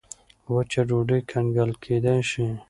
وچه ډوډۍ کنګل کېدای شي.